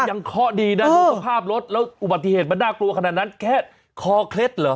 เคาะดีนะดูสภาพรถแล้วอุบัติเหตุมันน่ากลัวขนาดนั้นแค่คอเคล็ดเหรอ